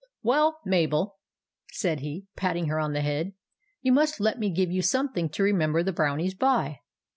" Well, Mabel," said he, patting her on the head, " you must let me give you some thing to remember the Brownies by."